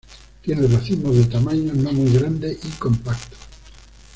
Tiene racimos de tamaños no muy grandes y compactos.